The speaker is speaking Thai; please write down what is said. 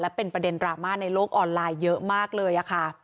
เป็นประเด็นดราม่าในโลกออนไลน์เยอะมากเลยค่ะ